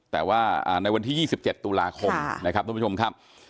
แต่ว่าในวันที่ยี่สิบเจ็ดตุลาคมนะครับท่านผู้ชมครับ